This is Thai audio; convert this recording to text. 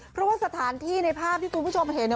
เพราะว่าสถานที่ในภาพที่คุณผู้ชมเห็น